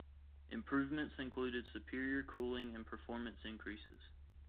Improvements included superior cooling and performance increases.